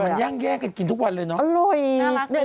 แต่มันย่างแยกกันกินทุกวันเลยเนอะ